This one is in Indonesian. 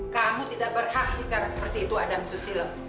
kamu tidak berhak karena seperti itu adam susilo